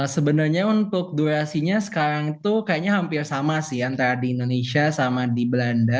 sebenarnya untuk durasinya sekarang tuh kayaknya hampir sama sih antara di indonesia sama di belanda